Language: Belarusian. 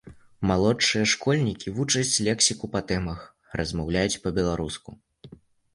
Малодшыя школьнікі вучаць лексіку па тэмах, размаўляюць па-беларуску.